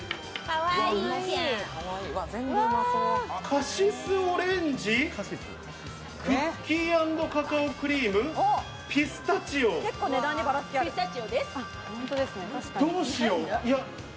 カシスオレンジ、クッキー＆カカオクリーム、ピスタチオ。どうしよう。